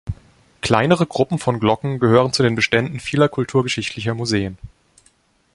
Kleinere Gruppen von Glocken gehören zu den Beständen vieler kulturgeschichtlicher Museen.